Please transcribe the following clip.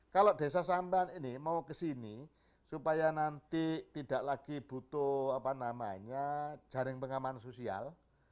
kalau desa samban ini mau ke sini supaya nanti tidak lagi butuh jaring pengaman sosial